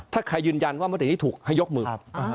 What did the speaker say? ถ้าใครยืนยันว่ามตินี้ถูกให้ยกมือ